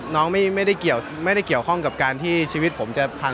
น้องไม่ได้เกี่ยวข้องกับการที่ชีวิตผมจะพัง